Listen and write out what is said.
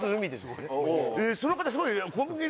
その方すごい。